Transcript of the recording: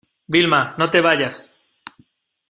Vilma, no te vayas.